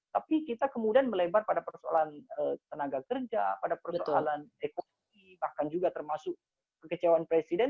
tapi kita kemudian melebar pada persoalan tenaga kerja pada persoalan ekonomi bahkan juga termasuk kekecewaan presiden